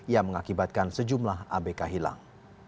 yang mengakibatkan sejumlah abk hilang